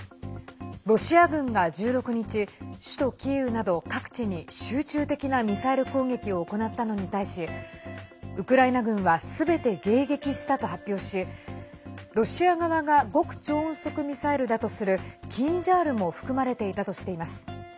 ロシア軍が１６日首都キーウなど各地に集中的なミサイル攻撃を行ったのに対しウクライナ軍はすべて迎撃したと発表しロシア側が極超音速ミサイルだとする「キンジャール」も含まれていたとしています。